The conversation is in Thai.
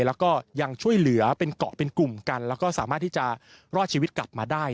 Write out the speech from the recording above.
แล้วก็ยังช่วยเหลือเป็นเกาะเป็นกลุ่มกันแล้วก็สามารถที่จะรอดชีวิตกลับมาได้